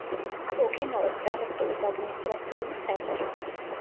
ოკინავას პრეფექტურის ადმინისტრაციული ცენტრი.